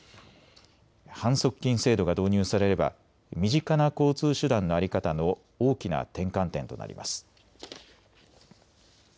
反則金制度が導入されれば身近な交通手段の在り方の大きな転換点となります。